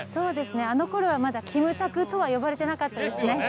あの頃はまだキムタクとは呼ばれてなかったですね。ですよね。